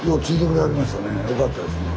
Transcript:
よかったですね。